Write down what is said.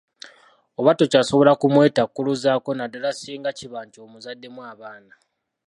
Oba tokyasobola kumwetakkuluzaako naddala singa kiba nti omuzaddemu abaana.